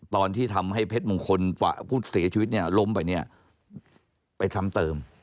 ตอนที่ทำให้เพชรมงคลผู้เสียชีวิตเนี่ยล้มไปเนี่ยไปซ้ำเติม